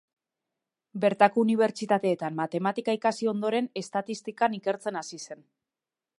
Bertako unibertsitateetan matematika ikasi ondoren, estatistikan ikertzen hasi zen.